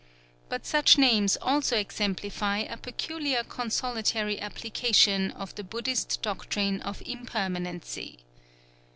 But such names also exemplify a peculiar consolatory application of the Buddhist doctrine of Impermanency.